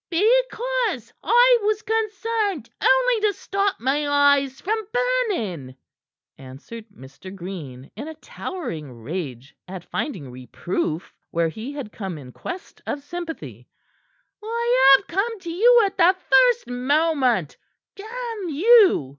"Because I was concerned only to stop my eyes from burning," answered Mr. Green, in a towering rage at finding reproof where he had come in quest of sympathy. "I have come to you at the first moment, damn you!"